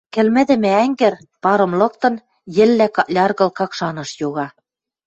Кӹлмӹдӹмӹ ӓнгӹр, парым лыктын, йӹллӓ какляргыл, Какшаныш йога.